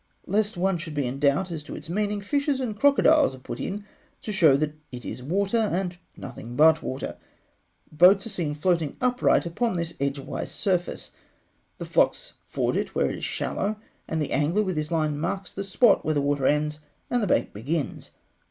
Lest one should be in doubt as to its meaning, fishes and crocodiles are put in, to show that it is water, and nothing but water. Boats are seen floating upright upon this edgewise surface; the flocks ford it where it is shallow; and the angler with his line marks the spot where the water ends and the bank begins.